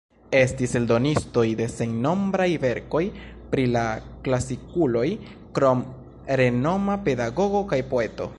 Estis eldonistoj de sennombraj verkoj pri la klasikuloj krom renoma pedagogo kaj poeto.